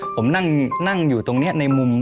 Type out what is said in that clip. ผมนั่งอยู่ตรงนี้ในมุม